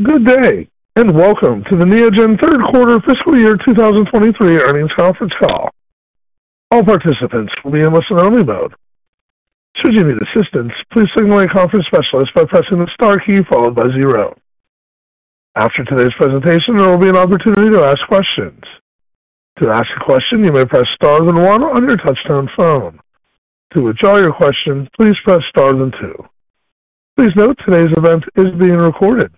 Good day, and welcome to the Neogen Q3 fiscal year 2023 earnings conference call. All participants will be in listen-only mode. Should you need assistance, please signal a conference specialist by pressing the star key followed by zero. After today's presentation, there will be an opportunity to ask questions. To ask a question, you may press star then one on your touch-tone phone. To withdraw your question, please press star then two. Please note today's event is being recorded.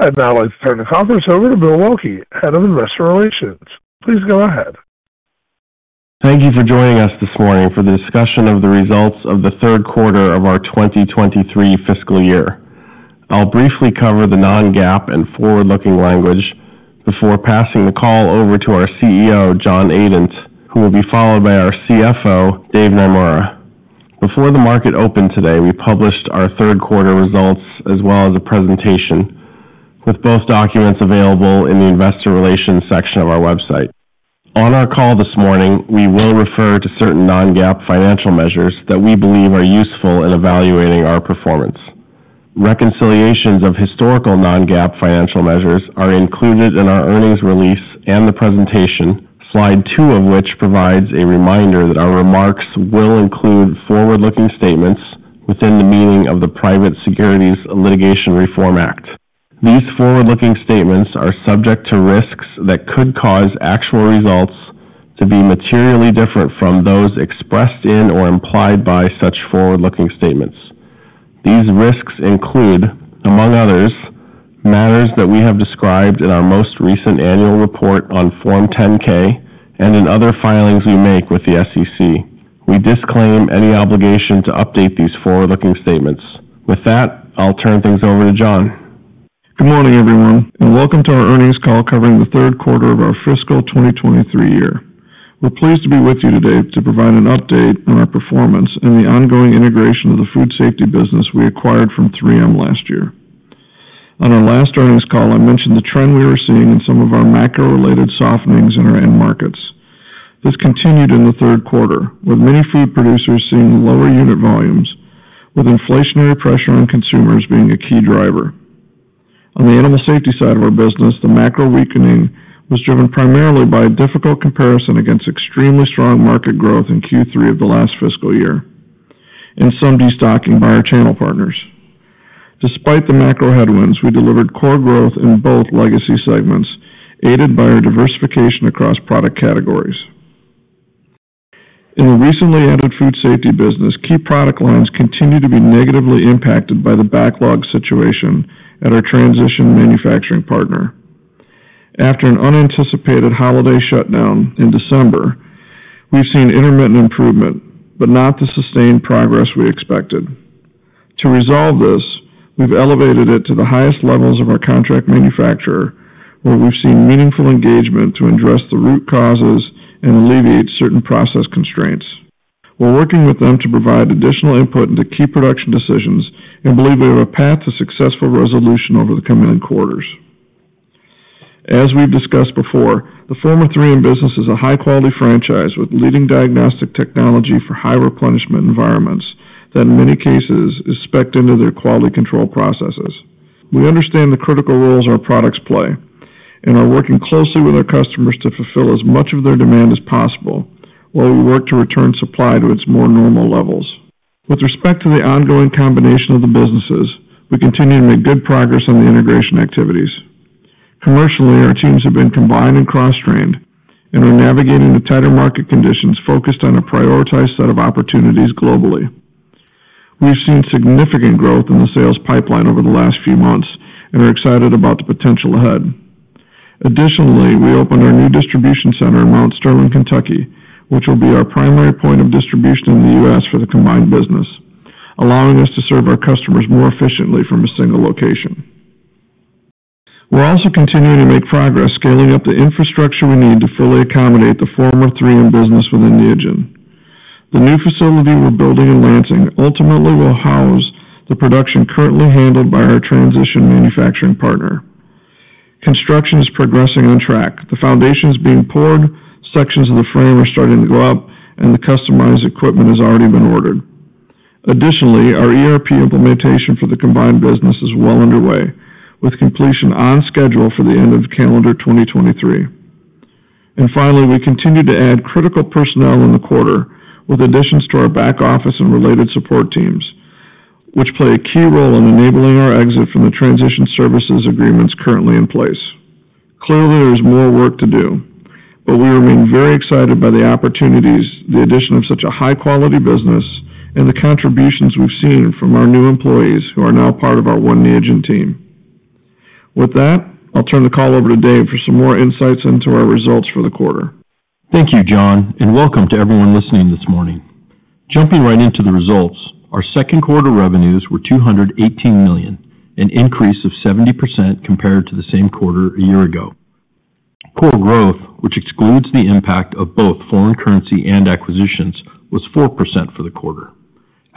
I'd now like to turn the conference over to Bill Waelke, Head of Investor Relations. Please go ahead. Thank you for joining us this morning for the discussion of the results of the Q3 of our 2023 fiscal year. I'll briefly cover the non-GAAP and forward-looking language before passing the call over to our CEO, John Adent, who will be followed by our CFO, Dave Naemura. Before the market opened today, we published our Q3 results as well as a presentation, with both documents available in the Investor Relations section of our website. On our call this morning, we will refer to certain non-GAAP financial measures that we believe are useful in evaluating our performance. Reconciliations of historical non-GAAP financial measures are included in our earnings release and the presentation, slide two of which provides a reminder that our remarks will include forward-looking statements within the meaning of the Private Securities Litigation Reform Act. These forward-looking statements are subject to risks that could cause actual results to be materially different from those expressed in or implied by such forward-looking statements. These risks include, among others, matters that we have described in our most recent annual report on Form 10-K and in other filings we make with the SEC. We disclaim any obligation to update these forward-looking statements. With that, I'll turn things over to John. Good morning, everyone, and welcome to our earnings call covering the Q3 of our fiscal 2023 year. We're pleased to be with you today to provide an update on our performance and the ongoing integration of the food safety business we acquired from 3M last year. On our last earnings call, I mentioned the trend we were seeing in some of our macro-related softenings in our end markets. This continued in the Q3, with many food producers seeing lower unit volumes, with inflationary pressure on consumers being a key driver. On the animal safety side of our business, the macro weakening was driven primarily by a difficult comparison against extremely strong market growth in Q3 of the last fiscal year and some destocking by our channel partners. Despite the macro headwinds, we delivered core growth in both legacy segments, aided by our diversification across product categories. In the recently added food safety business, key product lines continue to be negatively impacted by the backlog situation at our transition manufacturing partner. After an unanticipated holiday shutdown in December, we've seen intermittent improvement, but not the sustained progress we expected. To resolve this, we've elevated it to the highest levels of our contract manufacturer, where we've seen meaningful engagement to address the root causes and alleviate certain process constraints. We're working with them to provide additional input into key production decisions and believe we have a path to successful resolution over the coming quarters. As we've discussed before, the former 3M business is a high-quality franchise with leading diagnostic technology for high replenishment environments that in many cases is expected into their quality control processes. We understand the critical roles our products play and are working closely with our customers to fulfill as much of their demand as possible while we work to return supply to its more normal levels. With respect to the ongoing combination of the businesses, we continue to make good progress on the integration activities. Commercially, our teams have been combined and cross-trained and are navigating the tighter market conditions focused on a prioritized set of opportunities globally. We've seen significant growth in the sales pipeline over the last few months and are excited about the potential ahead. Additionally, we opened our new distribution center in Mount Sterling, Kentucky, which will be our primary point of distribution in the U.S. for the combined business, allowing us to serve our customers more efficiently from a single location. We're also continuing to make progress scaling up the infrastructure we need to fully accommodate the former 3M business within Neogen. The new facility we're building in Lansing ultimately will house the production currently handled by our transition manufacturing partner. Construction is progressing on track. The foundation is being poured, sections of the frame are starting to go up, and the customized equipment has already been ordered. Additionally, our ERP implementation for the combined business is well underway, with completion on schedule for the end of calendar 2023. Finally, we continued to add critical personnel in the quarter with additions to our back office and related support teams, which play a key role in enabling our exit from the transition services agreements currently in place. Clearly, there is more work to do, but we remain very excited by the opportunities, the addition of such a high-quality business, and the contributions we've seen from our new employees who are now part of our One Neogen team. With that, I'll turn the call over to Dave for some more insights into our results for the quarter. Thank you, John, and welcome to everyone listening this morning. Jumping right into the results, our Q2 revenues were $218 million, an increase of 70% compared to the same quarter a year ago. Core growth, which excludes the impact of both foreign currency and acquisitions, was 4% for the quarter.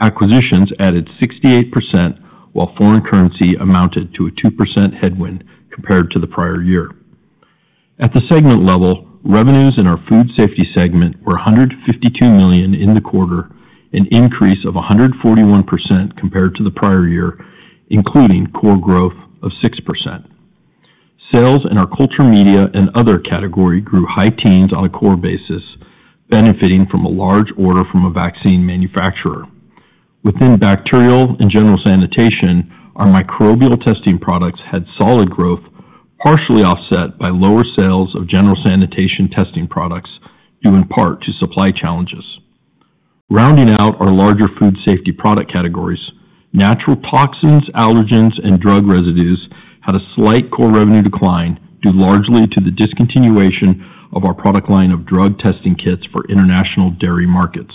Acquisitions added 68%, while foreign currency amounted to a 2% headwind compared to the prior year. At the segment level, revenues in our food safety segment were $152 million in the quarter, an increase of 141% compared to the prior year, including core growth of 6%. Sales in our Culture Media and Other category grew high teens on a core basis, benefiting from a large order from a vaccine manufacturer. Within bacterial and general sanitation, our microbial testing products had solid growth, partially offset by lower sales of general sanitation testing products due in part to supply challenges. Rounding out our larger food safety product categories, Natural Toxins, Allergens, and Drug Residues had a slight core revenue decline, due largely to the discontinuation of our product line of drug testing kits for international dairy markets.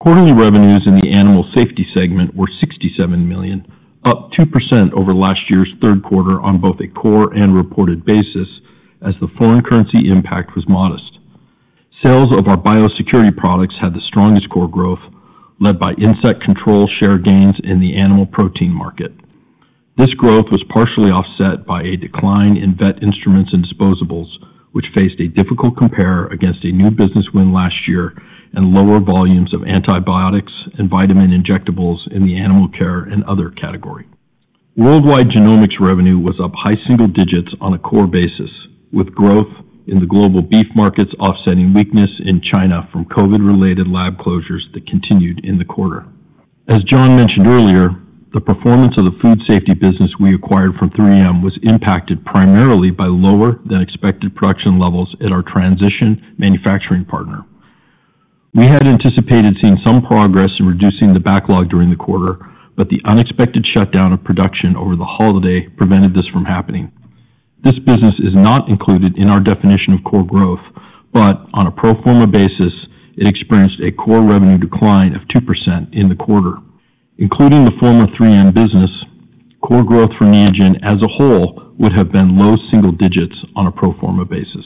Quarterly revenues in the animal safety segment were $67 million, up 2% over last year's Q3 on both a core and reported basis as the foreign currency impact was modest. Sales of our Biosecurity products had the strongest core growth, led by insect control share gains in the animal protein market. This growth was partially offset by a decline in Veterinary Instruments and Disposables, which faced a difficult compare against a new business win last year and lower volumes of antibiotics and vitamin injectables in the animal care and other category. Worldwide Genomics revenue was up high single digits on a core basis, with growth in the global beef markets offsetting weakness in China from COVID-related lab closures that continued in the quarter. As John mentioned earlier, the performance of the food safety business we acquired from 3M was impacted primarily by lower than expected production levels at our transition manufacturing partner. We had anticipated seeing some progress in reducing the backlog during the quarter, but the unexpected shutdown of production over the holiday prevented this from happening. This business is not included in our definition of core growth, but on a pro forma basis, it experienced a core revenue decline of 2% in the quarter. Including the former 3M business, core growth for Neogen as a whole would have been low single digits on a pro forma basis.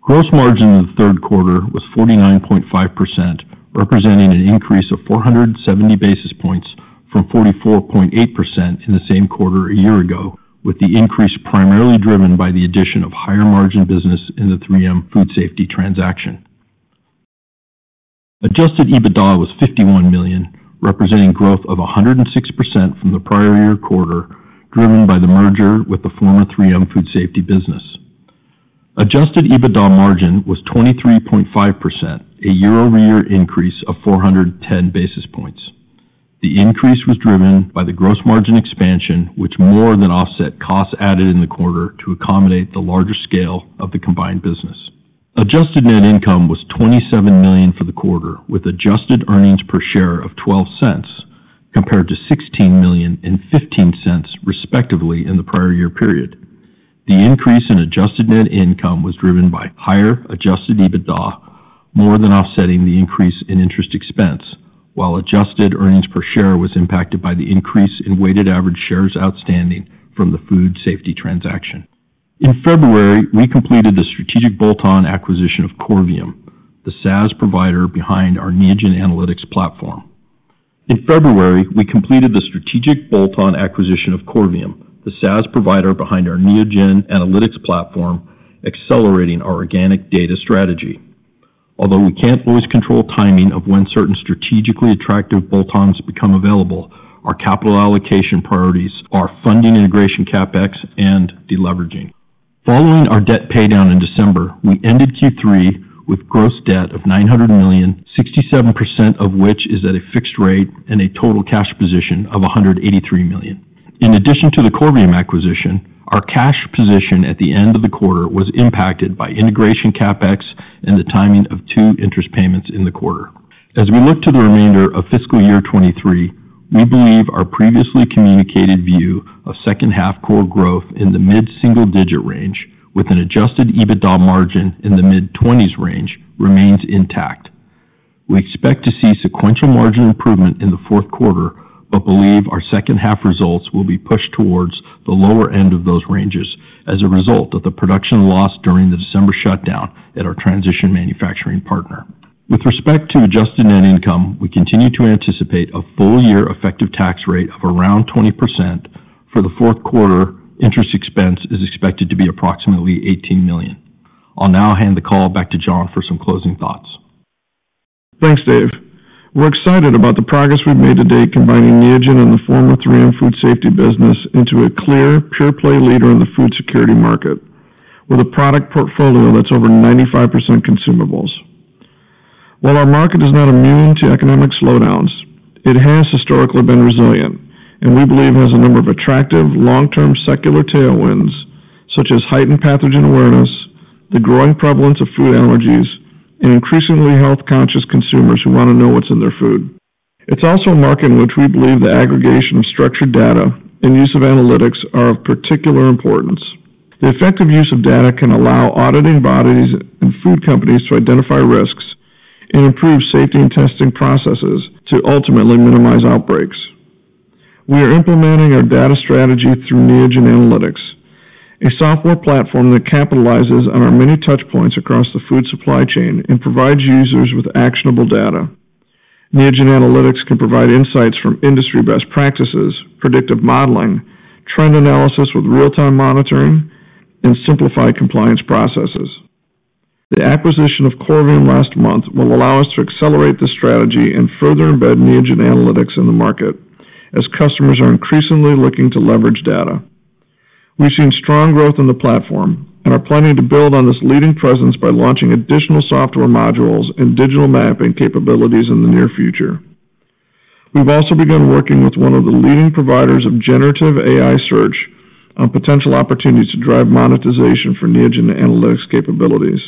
Gross margin in the Q3 was 49.5%, representing an increase of 470 basis points from 44.8% in the same quarter a year ago, with the increase primarily driven by the addition of higher margin business in the 3M food safety transaction. Adjusted EBITDA was $51 million, representing growth of 106% from the prior year quarter, driven by the merger with the former 3M food safety business. Adjusted EBITDA margin was 23.5%, a year-over-year increase of 410 basis points. The increase was driven by the gross margin expansion, which more than offset costs added in the quarter to accommodate the larger scale of the combined business. Adjusted net income was $27 million for the quarter, with Adjusted EPS of $0.12 compared to $16 million and $0.15 respectively in the prior year period. The increase in Adjusted net income was driven by higher adjusted EBITDA, more than offsetting the increase in interest expense, while adjusted EPS was impacted by the increase in weighted average shares outstanding from the food safety transaction. In February, we completed the strategic bolt-on acquisition of Corvium, the SaaS provider behind our Neogen Analytics platform, accelerating our organic data strategy. We can't always control timing of when certain strategically attractive bolt-ons become available, our capital allocation priorities are funding integration CapEx and de-leveraging. Following our debt paydown in December, we ended Q3 with gross debt of $900 million, 67% of which is at a fixed rate and a total cash position of $183 million. In addition to the Corvium acquisition, our cash position at the end of the quarter was impacted by integration CapEx and the timing of two interest payments in the quarter. As we look to the remainder of fiscal year 2023, we believe our previously communicated view of second half core growth in the mid-single-digit range with an adjusted EBITDA margin in the mid-20s range remains intact. We expect to see sequential margin improvement in the Q4, but believe our second half results will be pushed towards the lower end of those ranges as a result of the production loss during the December shutdown at our transition manufacturing partner. With respect to adjusted net income, we continue to anticipate a full year effective tax rate of around 20%. For the Q4, interest expense is expected to be approximately $18 million. I'll now hand the call back to John for some closing thoughts. Thanks, Dave. We're excited about the progress we've made to date combining Neogen and the former 3M food safety business into a clear pure play leader in the food security market with a product portfolio that's over 95% consumables. While our market is not immune to economic slowdowns, it has historically been resilient and we believe has a number of attractive long-term secular tailwinds, such as heightened pathogen awareness, the growing prevalence of food allergies, and increasingly health-conscious consumers who want to know what's in their food. It's also a market in which we believe the aggregation of structured data and use of analytics are of particular importance. The effective use of data can allow auditing bodies and food companies to identify risks and improve safety and testing processes to ultimately minimize outbreaks. We are implementing our data strategy through Neogen Analytics, a software platform that capitalizes on our many touch points across the food supply chain and provides users with actionable data. Neogen Analytics can provide insights from industry best practices, predictive modeling, trend analysis with real-time monitoring, and simplified compliance processes. The acquisition of Corvium last month will allow us to accelerate the strategy and further embed Neogen Analytics in the market as customers are increasingly looking to leverage data. We've seen strong growth in the platform and are planning to build on this leading presence by launching additional software modules and digital mapping capabilities in the near future. We've also begun working with one of the leading providers of generative AI search on potential opportunities to drive monetization for Neogen Analytics capabilities.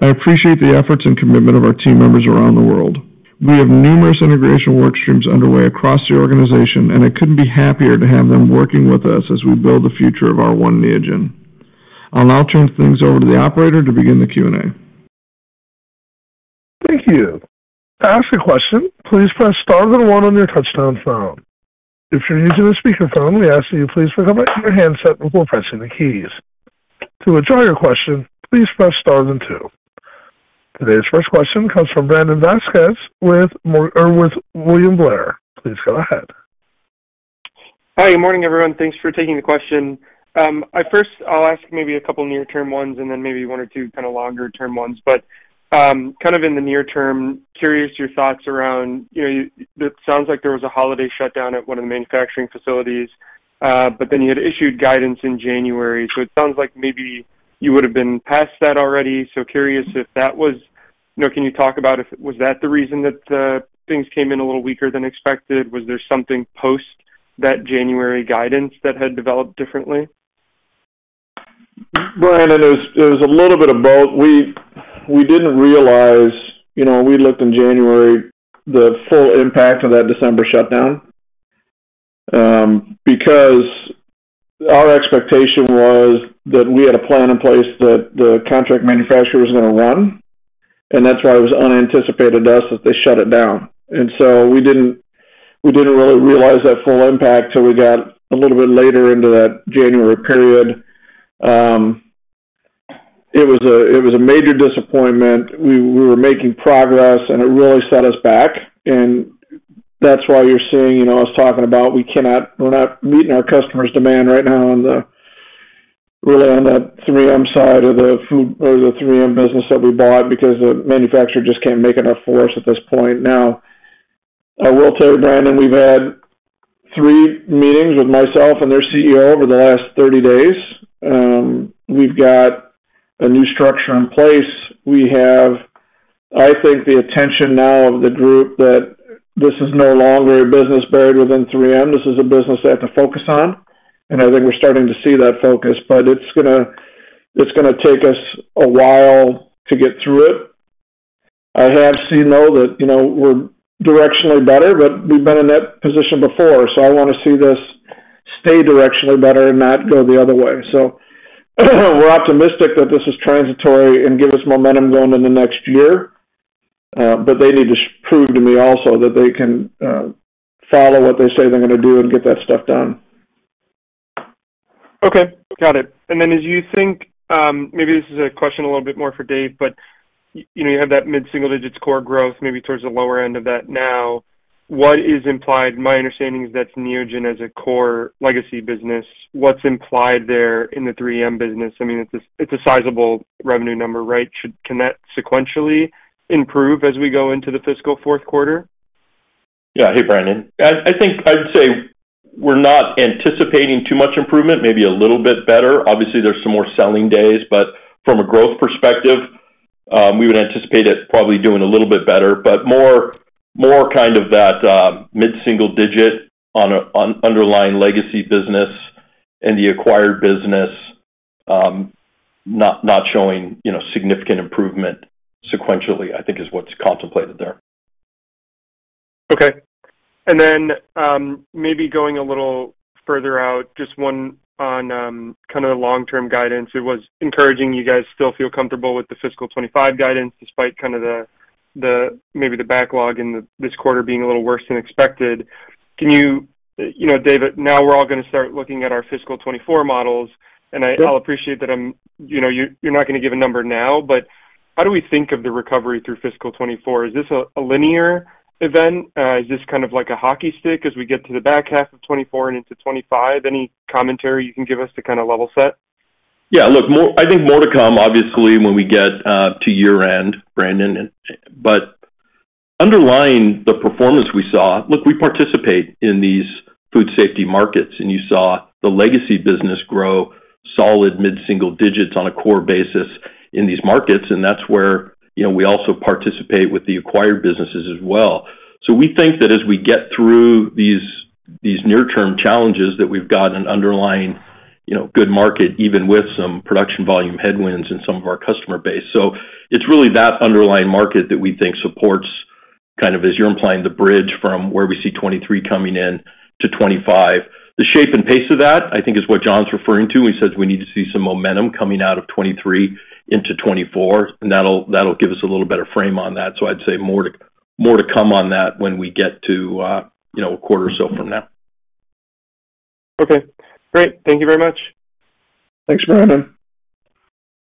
I appreciate the efforts and commitment of our team members around the world. We have numerous integration work streams underway across the organization. I couldn't be happier to have them working with us as we build the future of our One Neogen. I'll now turn things over to the operator to begin the Q&A. Thank you. To ask a question, please press star then one on your touchtone phone. If you're using a speaker phone, we ask that you please pick up your handset before pressing the keys. To withdraw your question, please press star then two. Today's first question comes from Brandon Vazquez with William Blair. Please go ahead. Hi, good morning, everyone. Thanks for taking the question. I first I'll ask maybe a couple near term ones and then maybe one or two kinda longer term ones. Kind of in the near term, curious your thoughts around, you know, it sounds like there was a holiday shutdown at one of the manufacturing facilities, but then you had issued guidance in January. It sounds like maybe you would have been past that already. Curious if that was. You know, can you talk about was that the reason that things came in a little weaker than expected? Was there something post that January guidance that had developed differently? Brandon, it was a little bit of both. We didn't realize, you know, we looked in January, the full impact of that December shutdown, because our expectation was that we had a plan in place that the contract manufacturer was gonna run, and that's why it was unanticipated to us that they shut it down. So we didn't really realize that full impact till we got a little bit later into that January period. It was a major disappointment. We were making progress, and it really set us back. That's why you're seeing, you know, I was talking about we're not meeting our customers' demand right now really on that 3M side of the food or the 3M business that we bought, because the manufacturer just can't make enough for us at this point. I will tell you, Brandon, we've had three meetings with myself and their CEO over the last 30 days. We've got a new structure in place. We have, I think, the attention now of the group that this is no longer a business buried within 3M. This is a business they have to focus on, and I think we're starting to see that focus, but it's gonna take us a while to get through it. I have seen, though, that, you know, we're directionally better, but we've been in that position before, so I wanna see this stay directionally better and not go the other way. We're optimistic that this is transitory and give us momentum going into next year. They need to prove to me also that they can follow what they say they're gonna do and get that stuff done. Okay. Got it. Then as you think, maybe this is a question a little bit more for Dave, but, you know, you have that mid-single digits core growth, maybe towards the lower end of that now. What is implied? My understanding is that's Neogen as a core legacy business. What's implied there in the 3M business? I mean, it's a, it's a sizable revenue number, right? Can that sequentially improve as we go into the fiscal Q4? Yeah. Hey, Brandon. I think I'd say we're not anticipating too much improvement, maybe a little bit better. Obviously, there's some more selling days. From a growth perspective, we would anticipate it probably doing a little bit better, but more kind of that mid-single digit on underlying legacy business and the acquired business, not showing, you know, significant improvement sequentially, I think is what's contemplated there. Okay. Maybe going a little further out, just one on, kinda the long-term guidance. It was encouraging you guys still feel comfortable with the fiscal 2025 guidance despite kinda maybe the backlog in this quarter being a little worse than expected. Can you? You know, David, now we're all gonna start looking at our fiscal 2024 models, and I Sure. I'll appreciate that, you know, you're not gonna give a number now, but how do we think of the recovery through fiscal 2024? Is this a linear event? Is this kind of like a hockey stick as we get to the back half of 2024 and into 2025? Any commentary you can give us to kinda level set? Yeah. Look, I think more to come, obviously, when we get to year-end, Brandon. Underlying the performance we saw, look, we participate in these food safety markets, and you saw the legacy business grow solid mid-single digits on a core basis in these markets, and that's where, you know, we also participate with the acquired businesses as well. We think that as we get through these near-term challenges, that we've got an underlying, you know, good market, even with some production volume headwinds in some of our customer base. It's really that underlying market that we think supports kind of, as you're implying, the bridge from where we see 2023 coming in to 2025. The shape and pace of that, I think is what John's referring to. He says we need to see some momentum coming out of 2023 into 2024, and that'll give us a little better frame on that. I'd say more to come on that when we get to, you know, a quarter or so from now. Okay, great. Thank you very much. Thanks, Brandon.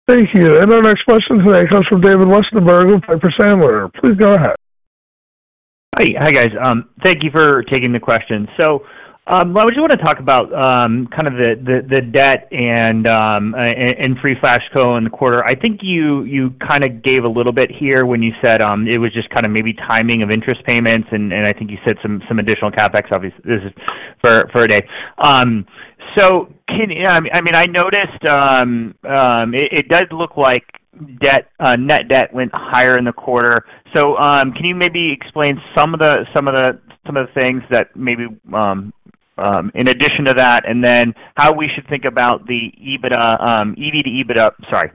Thank you. Our next question today comes from David Westenberg with Piper Sandler. Please go ahead. Hi. Hi, guys. Thank you for taking the question. I would you want to talk about kind of the debt and free cash flow in the quarter. I think you kind of gave a little bit here when you said it was just kind of maybe timing of interest payments, and I think you said some additional CapEx obvious-this is for today. Can, I mean, I noticed it does look like debt, net debt went higher in the quarter. Can you maybe explain some of the things that maybe in addition to that, and then how we should think about the EBITDA, EB to EBITDA, sorry.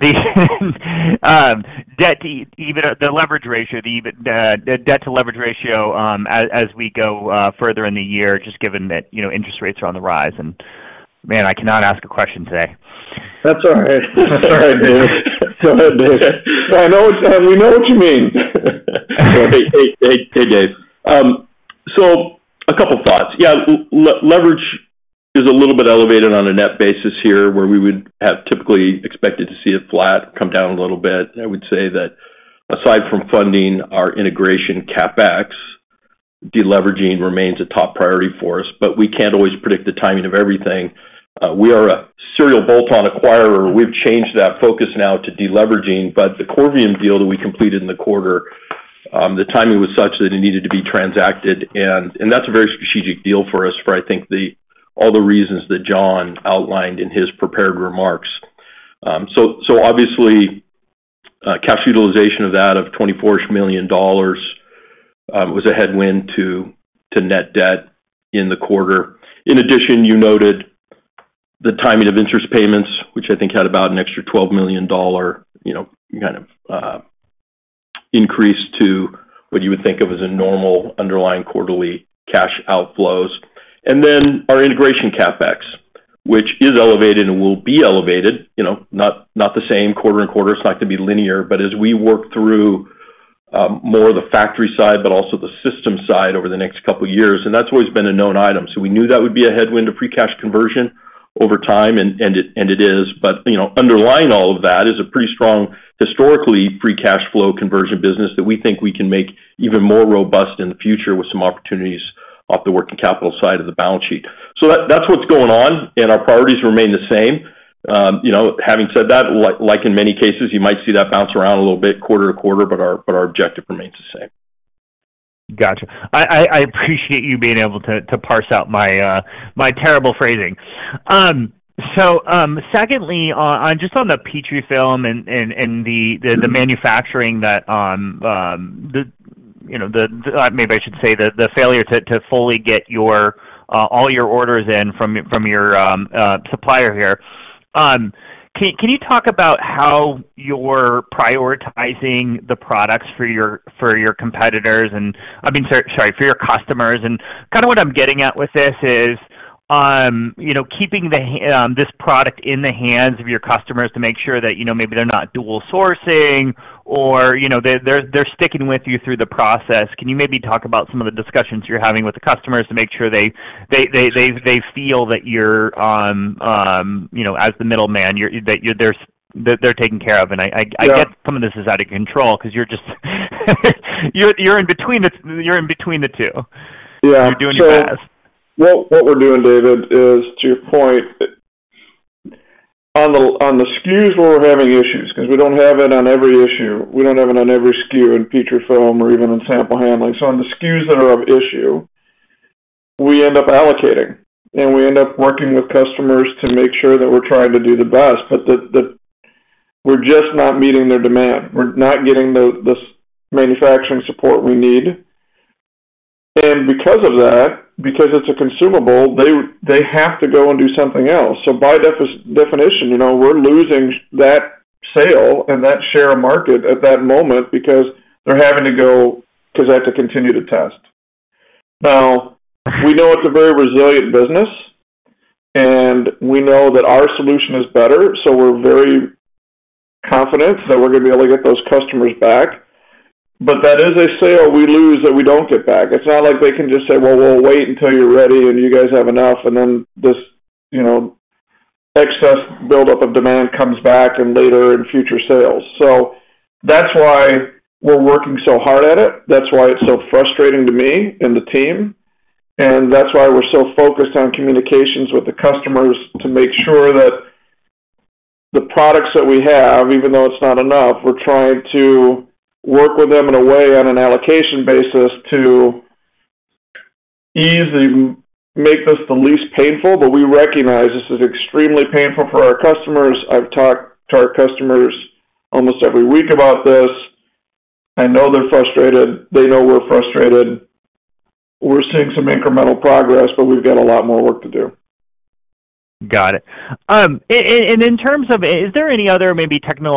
The debt to EBITDA, the leverage ratio, the debt to leverage ratio, as we go further in the year, just given that, you know, interest rates are on the rise. Man, I cannot ask a question today. That's all right. That's all right, Dave. It's all right, Dave. I know we know what you mean. Hey, hey, Dave. A couple thoughts. Yeah, leverage is a little bit elevated on a net basis here, where we would have typically expected to see it flat, come down a little bit. I would say that aside from funding our integration CapEx, de-leveraging remains a top priority for us, we can't always predict the timing of everything. We are a serial bolt-on acquirer. We've changed that focus now to de-leveraging. The Corvium deal that we completed in the quarter, the timing was such that it needed to be transacted and that's a very strategic deal for us for I think all the reasons that John outlined in his prepared remarks. Obviously, cash utilization of that of $24-ish million, was a headwind to net debt in the quarter. In addition, you noted the timing of interest payments, which I think had about an extra $12 million, you know, kind of, increase to what you would think of as a normal underlying quarterly cash outflows. Our integration CapEx, which is elevated and will be elevated, you know, not the same quarter and quarter. It's not gonna be linear. As we work through more of the factory side but also the system side over the next couple years, That's always been a known item. We knew that would be a headwind to free cash conversion over time, and it is. You know, underlying all of that is a pretty strong historically free cash flow conversion business that we think we can make even more robust in the future with some opportunities off the working capital side of the balance sheet. That's what's going on, and our priorities remain the same. You know, having said that, like in many cases, you might see that bounce around a little bit quarter to quarter, but our objective remains the same. Gotcha. I appreciate you being able to parse out my terrible phrasing. Secondly, on just on the Petrifilm and the manufacturing that, you know, maybe I should say the failure to fully get your all your orders in from your supplier here. Can you talk about how you're prioritizing the products for your competitors and I mean, sorry, for your customers. Kind of what I'm getting at with this is, you know, keeping this product in the hands of your customers to make sure that, you know, maybe they're not dual sourcing or, you know, they're sticking with you through the process. Can you maybe talk about some of the discussions you're having with the customers to make sure they feel that you're, you know, as the middleman, that you're, they're taken care of? Yeah. I get some of this is out of control 'cause you're just, you're in between the two. Yeah. You're doing your best. What we're doing, David, is to your point, on the SKUs where we're having issues, cause we don't have it on every issue, we don't have it on every SKU in Petrifilm or even in Sample Handling. On the SKUs that are of issue, we end up allocating, and we end up working with customers to make sure that we're trying to do the best, but we're just not meeting their demand. We're not getting the, this manufacturing support we need. Because of that, because it's a consumable, they have to go and do something else. By definition, you know, we're losing that sale and that share of market at that moment because they're having to go cause they have to continue to test. We know it's a very resilient business, and we know that our solution is better, so we're very confident that we're gonna be able to get those customers back. That is a sale we lose that we don't get back. It's not like they can just say, "Well, we'll wait until you're ready and you guys have enough," and then this, you know, excess buildup of demand comes back and later in future sales. That's why we're working so hard at it. That's why it's so frustrating to me and the team, and that's why we're so focused on communications with the customers to make sure that the products that we have, even though it's not enough, we're trying to work with them in a way on an allocation basis to ease and make this the least painful. We recognize this is extremely painful for our customers. I've talked to our customers almost every week about this. I know they're frustrated. They know we're frustrated. We're seeing some incremental progress, but we've got a lot more work to do. Got it. In terms of. Is there any other maybe technical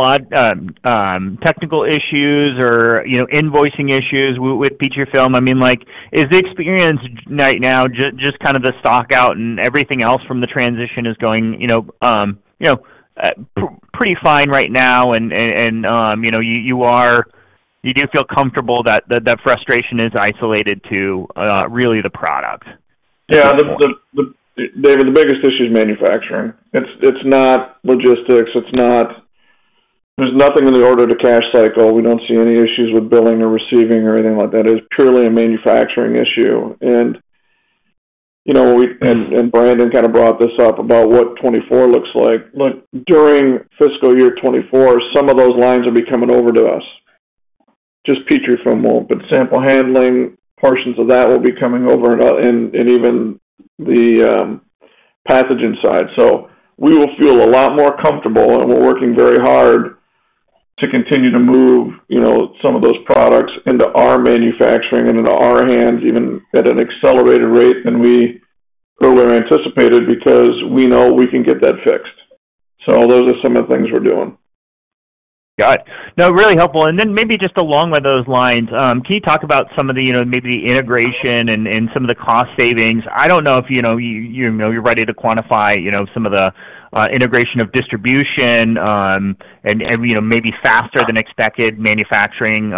issues or, you know, invoicing issues with Petrifilm? I mean, like, is the experience right now just kind of the stock out and everything else from the transition is going, you know, pretty fine right now and, you know, you do feel comfortable that frustration is isolated to really the product. Yeah. The, David, the biggest issue is manufacturing. It's not logistics, it's not. There's nothing in the order-to-cash cycle. We don't see any issues with billing or receiving or anything like that. It is purely a manufacturing issue. You know, Brandon kind of brought this up about what 24 looks like. Look, during fiscal year 2024, some of those lines will be coming over to us. Just Petrifilm won't, but sample handling, portions of that will be coming over and even the pathogen side. We will feel a lot more comfortable, and we're working very hard to continue to move, you know, some of those products into our manufacturing and into our hands, even at an accelerated rate than we originally anticipated, because we know we can get that fixed. Those are some of the things we're doing. Got it. No, really helpful. Then maybe just along with those lines, can you talk about some of the, you know, maybe the integration and some of the cost savings? I don't know if, you know, you know, you're ready to quantify, you know, some of the integration of distribution, and, you know, maybe faster than expected manufacturing,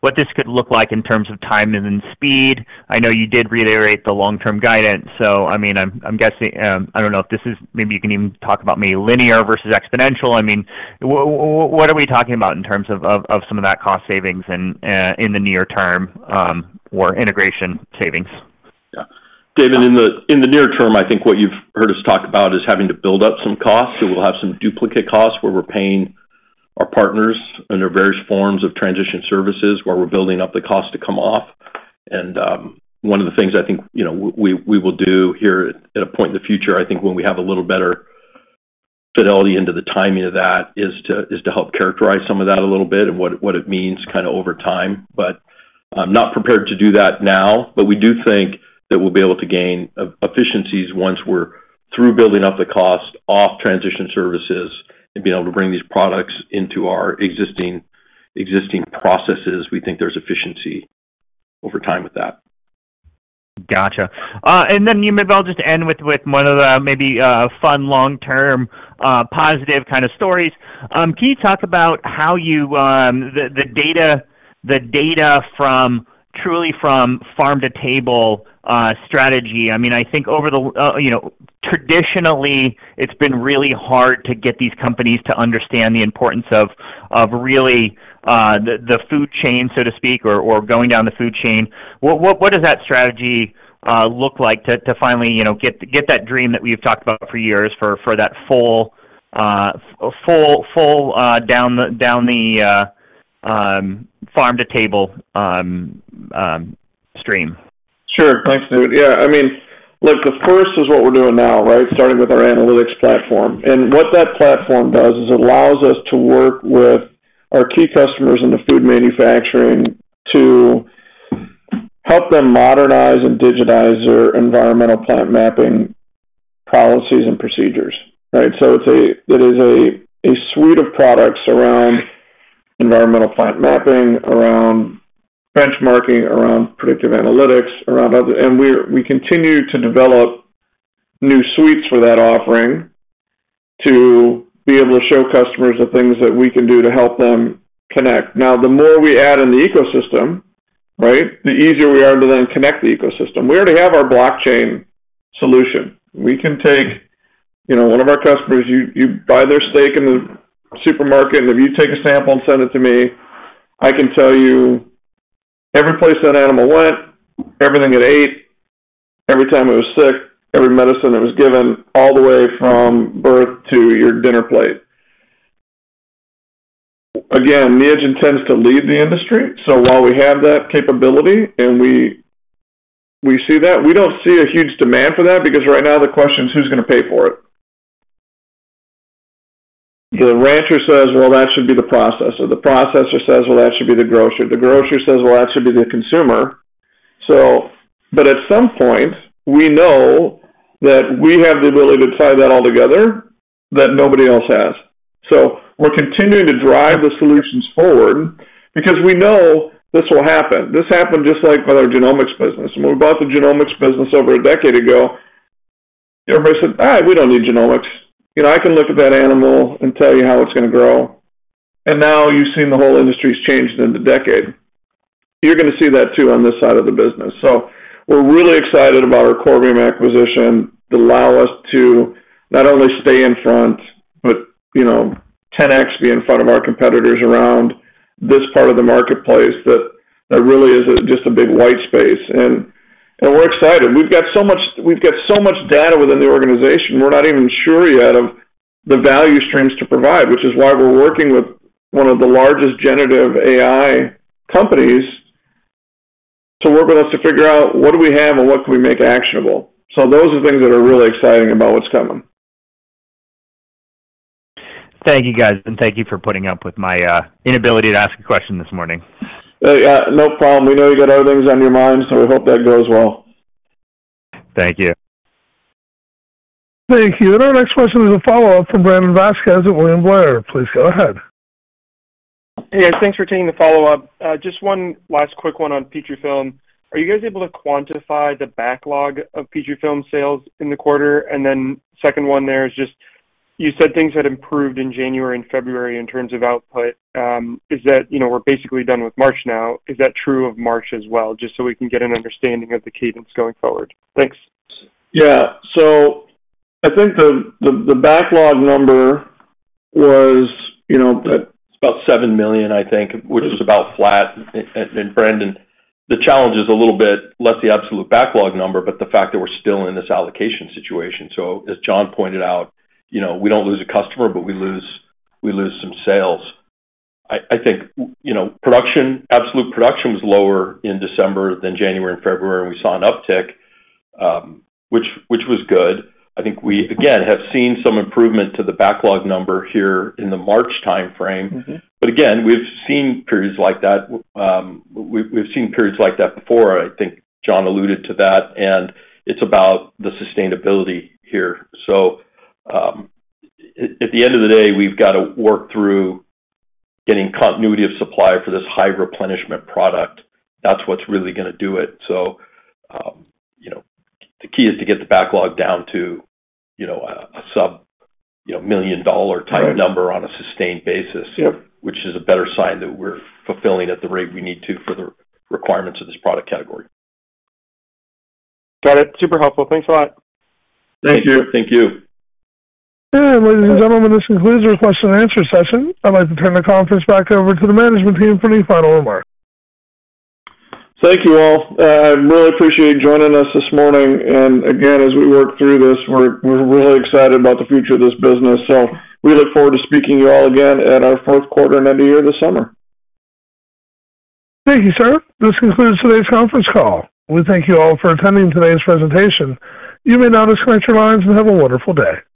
what this could look like in terms of time and in speed. I know you did reiterate the long-term guidance. I mean, I'm guessing, I don't know if this is maybe you can even talk about maybe linear versus exponential. I mean, what are we talking about in terms of some of that cost savings in the near term, or integration savings? Yeah. David, in the, in the near term, I think what you've heard us talk about is having to build up some costs. We'll have some duplicate costs where we're paying our partners under various forms of transition services, where we're building up the cost to come off. One of the things I think, you know, we, we will do here at a point in the future, I think when we have a little better fidelity into the timing of that, is to, is to help characterize some of that a little bit and what it means kind of over time. I'm not prepared to do that now. We do think that we'll be able to gain efficiencies once we're through building up the cost off transition services and being able to bring these products into our existing processes. We think there's efficiency over time with that. Gotcha. And then maybe I'll just end with one of the maybe, fun long-term, positive kind of stories. Can you talk about how you the data from truly from farm-to-table strategy? I mean, I think over the you know, traditionally, it's been really hard to get these companies to understand the importance of really, the food chain, so to speak, or going down the food chain. What does that strategy look like to finally, you know, get that dream that we've talked about for years for that full down the farm-to-table stream? Sure. Thanks, David. Yeah, I mean, look, the first is what we're doing now, right? Starting with our analytics platform. What that platform does is allows us to work with our key customers in the food manufacturing to help them modernize and digitize their environmental plant mapping policies and procedures, right? So it is a suite of products around environmental plant mapping, around benchmarking, around predictive analytics, around other. We continue to develop new suites for that offering to be able to show customers the things that we can do to help them connect. The more we add in the ecosystem, right? The easier we are to then connect the ecosystem. We already have our blockchain solution. We can take, you know, one of our customers. You buy their steak in the supermarket. If you take a sample and send it to me, I can tell you every place that animal went, everything it ate, every time it was sick, every medicine it was given, all the way from birth to your dinner plate. Again, Neogen tends to lead the industry. While we have that capability and we see that, we don't see a huge demand for that, because right now the question is who's gonna pay for it. The rancher says, "Well, that should be the processor." The processor says, "Well, that should be the grocer." The grocer says, "Well, that should be the consumer." At some point, we know that we have the ability to tie that all together that nobody else has. We're continuing to drive the solutions forward because we know this will happen. This happened just like with our Genomics business. When we bought the Genomics business over a decade ago, everybody said, "We don't need Genomics. You know, I can look at that animal and tell you how it's gonna grow." Now you've seen the whole industry's changed in a decade. You're gonna see that too on this side of the business. We're really excited about our Corvium acquisition to allow us to not only stay in front, but, you know, 10x be in front of our competitors around this part of the marketplace that really is just a big white space. We're excited. We've got so much data within the organization, we're not even sure yet of the value streams to provide, which is why we're working with one of the largest generative AI companies to work with us to figure out what do we have and what can we make actionable. Those are things that are really exciting about what's coming. Thank you, guys, and thank you for putting up with my inability to ask a question this morning. Yeah, no problem. We know you got other things on your mind, so we hope that goes well. Thank you. Thank you. Our next question is a follow-up from Brandon Vazquez at William Blair. Please go ahead. Hey guys, thanks for taking the follow-up. Just one last quick one on Petrifilm. Are you guys able to quantify the backlog of Petrifilm sales in the quarter? Then second one there is just you said things had improved in January and February in terms of output. Is that, you know, we're basically done with March now. Is that true of March as well? Just so we can get an understanding of the cadence going forward. Thanks. Yeah. I think the backlog number was, you know It's about $7 million, I think, which is about flat. Brandon, the challenge is a little bit less the absolute backlog number, but the fact that we're still in this allocation situation. As John pointed out, you know, we don't lose a customer, but we lose some sales. I think, you know, production, absolute production was lower in December than January and February, and we saw an uptick, which was good. I think we again have seen some improvement to the backlog number here in the March timeframe. Mm-hmm. Again, we've seen periods like that. We've seen periods like that before. I think John alluded to that, and it's about the sustainability here. At the end of the day, we've got to work through getting continuity of supply for this high replenishment product. That's what's really gonna do it. You know, the key is to get the backlog down to, you know, a sub, you know, $1 million type number on a sustained basis. Yep. Which is a better sign that we're fulfilling at the rate we need to for the requirements of this product category. Got it. Super helpful. Thanks a lot. Thank you. Thank you. Ladies and gentlemen, this concludes our Q&A session. I'd like to turn the conference back over to the management team for any final remarks. Thank you all. I really appreciate you joining us this morning. Again, as we work through this, we're really excited about the future of this business. We look forward to speaking to you all again at our Q4 and end of year this summer. Thank you, sir. This concludes today's Conference call. We thank you all for attending today's presentation. You may now disconnect your lines and have a wonderful day.